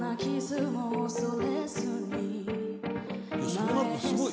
「そうなるとすごい！」